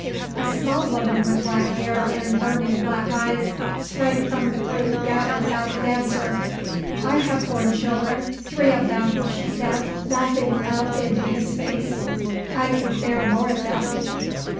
A small woman with black hair and burning black eyes sprang from the group gathered about the dancer. "I have borne children three of them," she said, laughing up into his face. "I can bear more of them."